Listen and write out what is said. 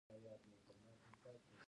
ایا سر مو ګیچ کیږي؟